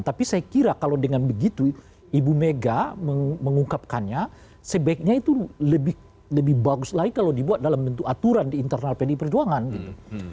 tapi saya kira kalau dengan begitu ibu mega mengungkapkannya sebaiknya itu lebih bagus lagi kalau dibuat dalam bentuk aturan di internal pdi perjuangan gitu